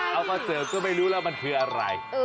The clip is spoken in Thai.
เอามาเจอก็ไม่รู้แล้วมันคืออะไร